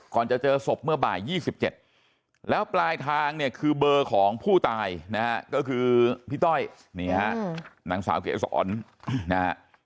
จะเจอศพเมื่อบ่าย๒๗แล้วปลายทางเนี่ยคือเบอร์ของผู้ตายนะฮะก็คือพี่ต้อยนี่ฮะนางสาวเกษรนะฮะ